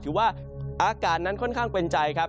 ว่าอากาศนั้นค่อนข้างเป็นใจครับ